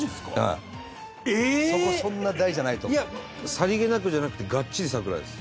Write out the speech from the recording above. さりげなくじゃなくてがっちり桜です。